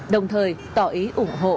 đồng thời tỏ ý ủng hộ